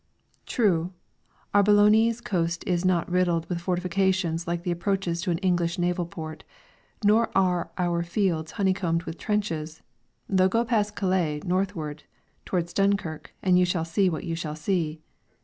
True, our Boulognese coast is not riddled with fortifications like the approaches to an English naval port, nor are our fields honeycombed with trenches (though go past Calais, northward, towards Dunkirk, and you shall see what you shall see!).